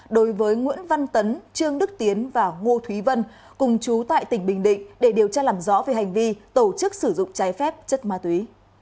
đối với nguyễn văn tấn trương đức tiến và ngô thúy vân cùng chú tại tỉnh bình định để điều tra làm rõ về hành vi tổ chức sử dụng trái phép chất ma túy